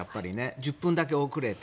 １０分だけ遅れて。